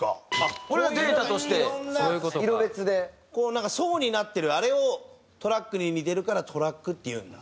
なんか層になってるあれをトラックに似てるからトラックっていうんだ。